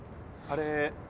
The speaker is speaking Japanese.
あれ。